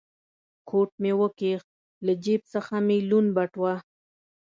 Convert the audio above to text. کوټ مې و کښ، له جېب څخه مې لوند بټوه.